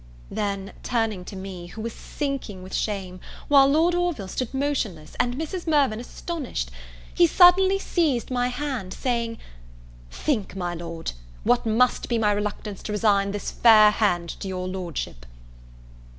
Then, turning to me, who was sinking with shame, while Lord Orville stood motionless, and Mrs. Mirvan astonished, he suddenly seized my hand, saying, "Think, my Lord, what must be my reluctance to resign this fair hand to your Lordship!"